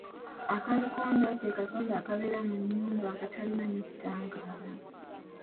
Akalikonda ke kasonda akabeera mu nnyumba akatalina nnyo kitangaala.